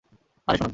আরে, শুনুন।